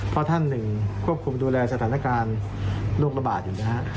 เพราะท่านหนึ่งควบคุมดูแลสถานการณ์โรคระบาดอยู่นะฮะ